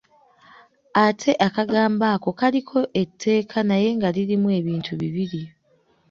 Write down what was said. Ate akagambo ako kaliko etteeka naye nga lirimu ebintu bibiri.